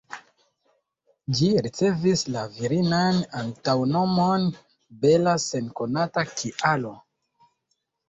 Ĝi ricevis la virinan antaŭnomon ""Bella"" sen konata kialo.